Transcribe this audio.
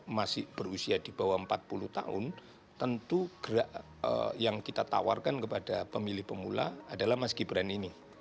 masih berusia di bawah empat puluh tahun tentu gerak yang kita tawarkan kepada pemilih pemula adalah mas gibran ini